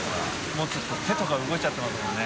もうちょっと手とか動いちゃってますもんね。